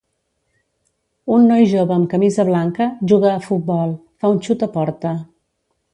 Un noi jove amb camisa blanca juga a futbol, fa un xut a porta.